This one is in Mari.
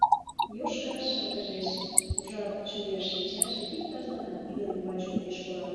Йошка шыргыжеш, ужар чоя шинчаже ик татланат ӱдыр ӱмбач огеш кораҥ.